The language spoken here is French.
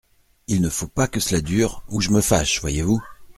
Il ne faut pas que cela dure Ou je me fâche, voyez-vous !